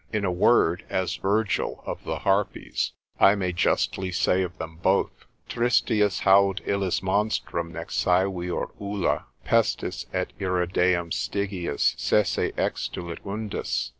In a word, as Virgil of the Harpies, I may justly say of them both, Tristius haud illis monstrum, nec saevior ulla Pestis et ira Deum stygiis sese extulit undis.